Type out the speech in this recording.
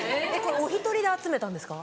お１人で集めたんですか？